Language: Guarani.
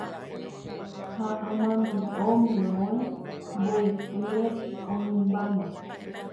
ha amandi'o mimói mbo'ipyre oĩmbáma.